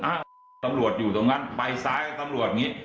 อะตำรวจอยู่ตรงนั้นไปซ้ายตำรวจงี้